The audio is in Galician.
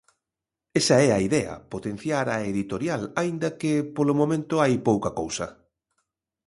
Esa é a idea, potenciar a editorial, aínda que polo momento hai pouca cousa.